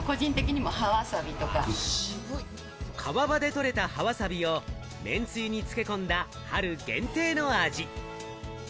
川場で取れた葉わさびをめんつゆに漬け込んだ、春限定の味。